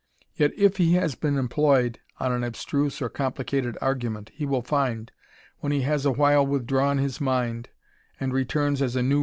Yet if he has been employed an abBtiusc or complicated argument, he wfll find, when ^as a while withdrawn his mind, nnd returns as a new 178 THE RAMBLER.